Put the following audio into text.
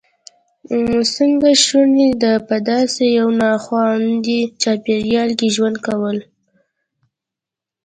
څنګه شونې ده په داسې یو ناخوندي چاپېریال کې ژوند کول.